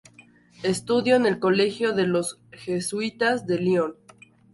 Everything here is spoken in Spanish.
Estudió en el colegio de los jesuitas de Lyon.